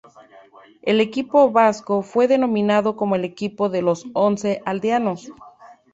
El equipo vasco fue denominado como el equipo de los once aldeanos.